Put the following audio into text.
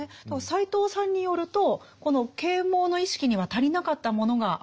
斎藤さんによるとこの啓蒙の意識には足りなかったものがあるとお考えですよね？